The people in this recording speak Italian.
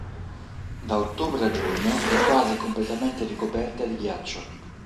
Da ottobre a giugno è quasi completamente ricoperta di ghiaccio.